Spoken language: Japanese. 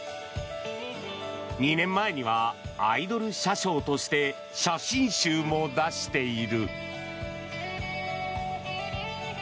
２年前にはアイドル車掌として写真集も出している。